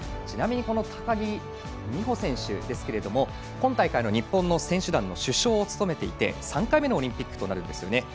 ちなみに高木美帆選手ですが今大会の日本の選手団の主将を務めていて３回目のオリンピックとなるんですね。